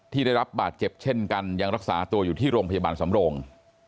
ได้รับบาดเจ็บเช่นกันยังรักษาตัวอยู่ที่โรงพยาบาลสำโรง